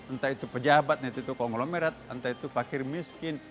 entah itu pejabat entah itu konglomerat entah itu fakir miskin